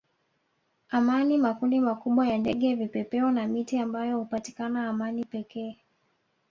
amani makundi makubwa ya ndege vipepeo na miti ambayo hupatikana amani pekee